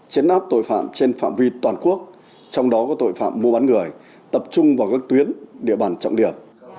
chấn áp tội phạm trên phạm vi toàn quốc trong đó có tội phạm mua bán người tập trung vào các tuyến địa bàn trọng điểm